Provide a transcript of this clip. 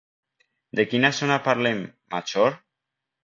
De quina zona parlem, Major?